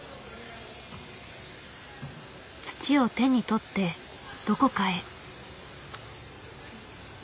土を手に取ってどこかへ。